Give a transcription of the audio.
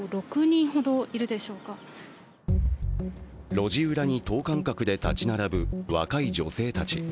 路地裏に等間隔で立ち並ぶ若い女性たち。